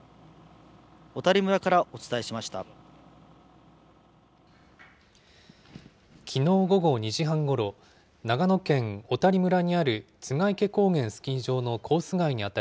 小谷村からお伝えしました。